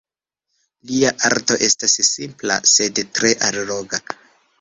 Lia arto estas simpla, sed tre alloga.